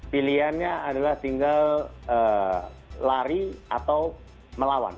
pilihannya adalah tinggal lari atau melawan